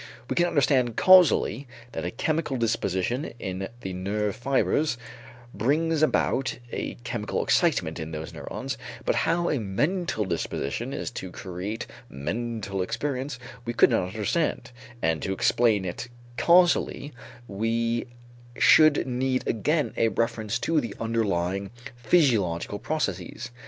We can understand causally that a chemical disposition in the nerve fibers brings about a chemical excitement in those neurons, but how a mental disposition is to create mental experience we could not understand; and to explain it casually, we should need again a reference to the underlying physiological processes.